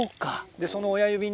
でその親指